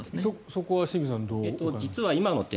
そこは清水さん